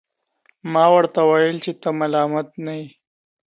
ما ورته وویل چي ته ملامت نه یې.